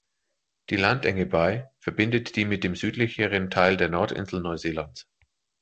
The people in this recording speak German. Die Landenge bei verbindet die mit dem südlicheren Teil der Nordinsel Neuseelands.